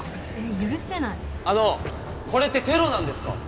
許せないあのこれってテロなんですか？